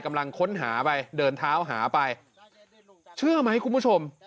กำลังค้นหาไปเดินเท้าหาไปเชื่อไหมคุณผู้ชม